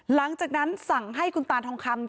หลังจากนั้นสั่งให้คุณตาทองคำ